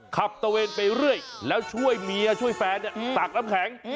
ตะเวนไปเรื่อยแล้วช่วยเมียช่วยแฟนตักน้ำแข็ง